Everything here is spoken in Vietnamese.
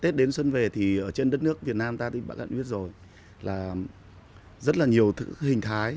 tết đến xuân về thì ở trên đất nước việt nam ta thì bạn biết rồi là rất là nhiều hình thái